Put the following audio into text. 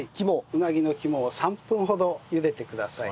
うなぎの肝を３分ほどゆでてください。